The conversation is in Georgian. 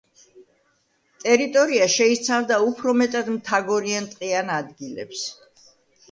ტერიტორია შეიცავდა უფრო მეტად მთაგორიან ტყიან ადგილებს.